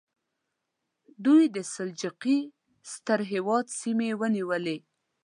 دوی د سلجوقي ستر هېواد سیمې ونیولې.